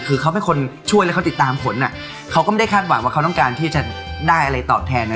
คือเขาเป็นคนช่วยแล้วเขาติดตามผลอ่ะเขาก็ไม่ได้คาดหวังว่าเขาต้องการที่จะได้อะไรตอบแทนนะ